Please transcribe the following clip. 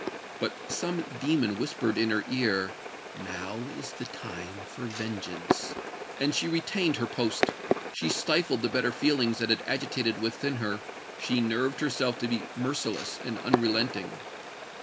But some demon whispered in her ear, "Now is the time for vengeance!"—and she retained her post—she stifled the better feelings that had agitated within her—she nerved herself to be merciless and unrelenting.